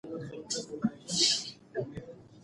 خیر محمد په خپل کار کې د میړانې نوی تعریف وموند.